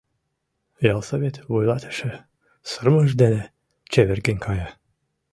Ялсовет вуйлатыше сырымыж дене чеверген кая.